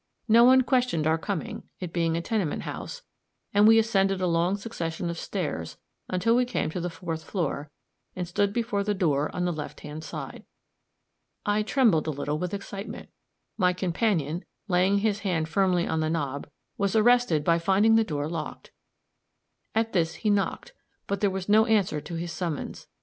No one questioned our coming, it being a tenement house, and we ascended a long succession of stairs, until we came to the fourth floor, and stood before the door on the left hand side. I trembled a little with excitement. My companion, laying his hand firmly on the knob, was arrested by finding the door locked. At this he knocked; but there was no answer to his summons.